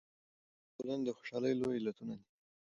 مېلې د ټولني د خوشحالۍ لوی علتونه دي.